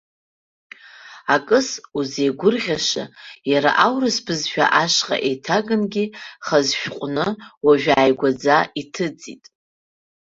Акыс, узеигәырӷьаша, иара аурыс бызшәа ашҟа еиҭагангьы хаз шәҟәны уажә ааигәаӡа иҭыҵит.